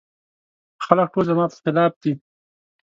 خلګ ټول زما په خلاف دي.